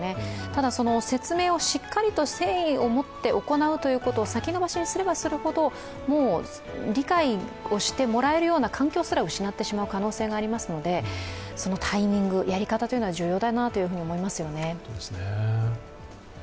ただ、説明をしっかりと誠意を持って行うということを先延ばしにすればするほど、理解をしてもらえるような環境すら失ってしまう可能性がありますのでそのタイミング、やり方というのは重要だなと思いますよね。